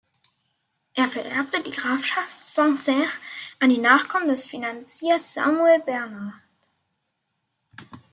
Er vererbte die Grafschaft Saint-Saire an die Nachkommen des Finanziers Samuel Bernard.